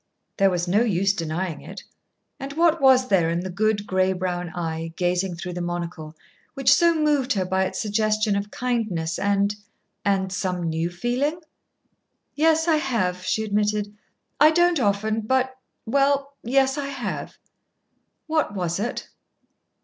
There was no use denying it. And what was there in the good gray brown eye, gazing through the monocle, which so moved her by its suggestion of kindness and and some new feeling? "Yes, I have," she admitted. "I don't often but well, yes, I have." "What was it?"